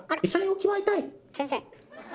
先生！